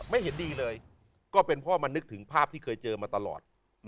ไม่เห็นดีเลยก็เป็นเพราะมันนึกถึงภาพที่เคยเจอมาตลอด